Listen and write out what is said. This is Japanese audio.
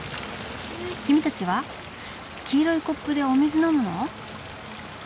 君たちは黄色いコップでお水飲むの？